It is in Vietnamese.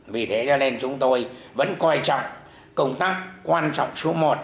vì thế cho nên chúng tôi vẫn coi trọng công tác quan trọng số một